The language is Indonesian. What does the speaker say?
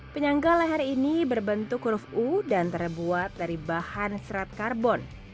penyangga leher ini berbentuk huruf u dan terbuat dari bahan serat karbon